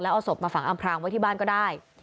เอาศพมาฝังอำพรางไว้ที่บ้านก็ได้